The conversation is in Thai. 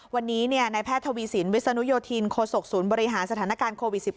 วันนี้นายแพทย์ทวีสินวิศนุโยธินโคศกศูนย์บริหารสถานการณ์โควิด๑๙